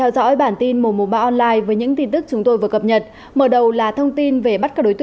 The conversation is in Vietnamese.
cảm ơn các bạn đã theo dõi